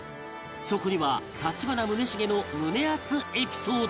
そこには立花宗茂の胸アツエピソードが